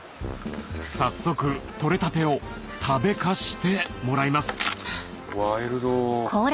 早速取れたてを食べかしてもらいますワイルド。